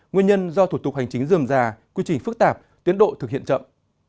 nguyên nhân do thủ tục hành chính dườm già quy trình phức tạp tiến độ thực hiện chậm